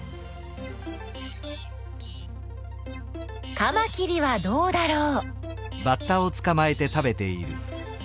カマキリはどうだろう？